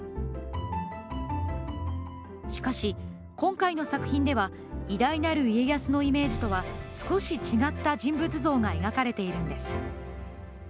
しかし、今回の作品では偉大なる家康のイメージとは少し違った人物像が描かれているんです。